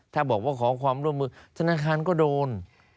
ถ้าบอกว่าขอความร่วมมือธนาคารก็โดน